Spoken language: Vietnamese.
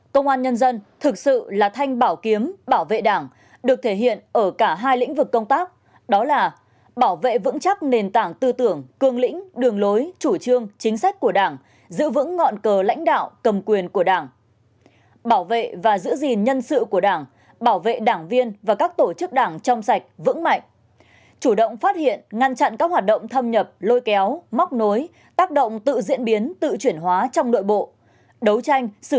công an nhân dân thực sự là thanh bảo kiếm bảo vệ đảng được thể hiện ở cả hai lĩnh vực công tác đó là bảo vệ vững chắc nền tảng tư tưởng cương lĩnh đường lối chủ trương chính sách của đảng giữ vững ngọn cờ lãnh đạo cầm quyền của đảng bảo vệ và giữ gìn nhân sự của đảng bảo vệ đảng viên và các tổ chức đảng trong sạch vững mạnh chủ động phát hiện ngăn chặn các hoạt động thâm nhập lôi kéo móc nối tác động tự diễn biến tự chuyển hóa trong nội bộ đấu tranh sử dụng tự diễn biến tự